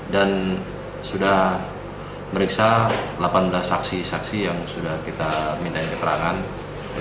dan sudah meriksa delapan belas saksi saksi yang sudah kita minta keterangan